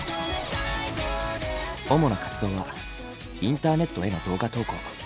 主な活動はインターネットへの動画投稿。